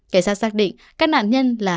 cảnh sát xác định các nạn nhân là